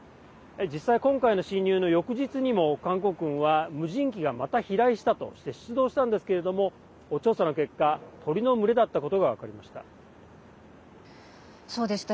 実際、今回の侵入の翌日にも韓国軍は無人機がまた飛来したとして出動したんですけれども調査の結果鳥の群れだったことが分かりました。